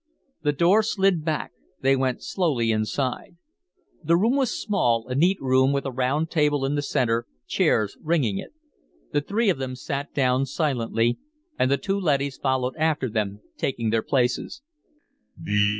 The door slid back. They went slowly inside. The room was small, a neat room with a round table in the center, chairs ringing it. The three of them sat down silently, and the two leadys followed after them, taking their places.